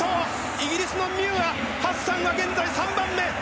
イギリスのローラ・ミューアハッサンが３番目。